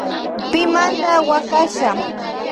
Pimanda huakasha.